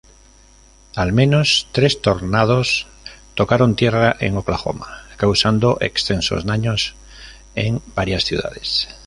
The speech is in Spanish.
Al menos tres tornados tocaron tierra en Oklahoma, causando extensos daños en varias ciudades.